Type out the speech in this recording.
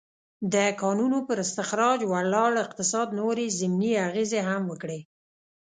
د کانونو پر استخراج ولاړ اقتصاد نورې ضمني اغېزې هم وکړې.